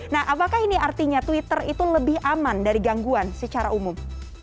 nah apakah ini artinya twitter itu lebih aman dari gangguan secara umum